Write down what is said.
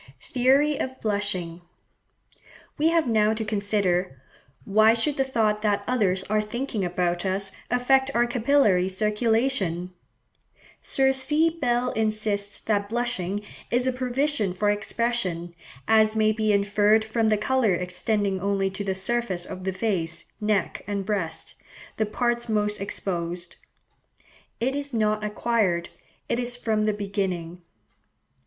Theory of Blushing.—We have now to consider, why should the thought that others are thinking about us affect our capillary circulation? Sir C. Bell insists that blushing "is a provision for expression, as may be inferred from the colour extending only to the surface of the face, neck, and breast, the parts most exposed. It is not acquired; it is from the beginning."